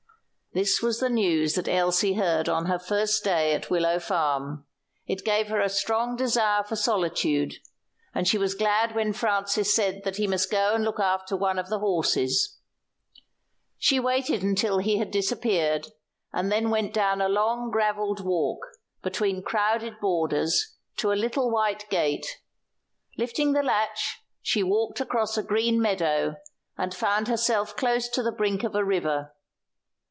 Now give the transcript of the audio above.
This was the news that Elsie heard on her first day at Willow Farm. It gave her a strong desire for solitude, and she was glad when Francis said that he must go and look after one of the horses. She waited until he had disappeared, and then went down a long gravelled walk, between crowded borders, to a little white gate. Lifting the latch, she walked across a green meadow, and found herself close to the brink of a river.